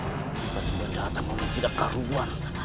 kita sudah datang untuk tidak karuan